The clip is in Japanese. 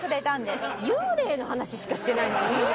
幽霊の話しかしてないのに？